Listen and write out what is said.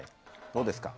どうですか？